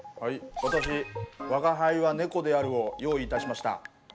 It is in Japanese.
私「吾輩は猫である」を用意いたしました。